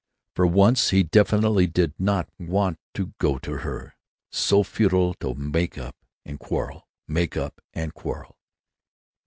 For once he definitely did not want to go to her. So futile to make up and quarrel, make up and quarrel.